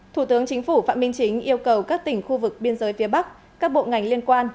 thủ tướng chính phủ phạm minh chính yêu cầu các tỉnh khu vực biên giới phía bắc các bộ ngành liên quan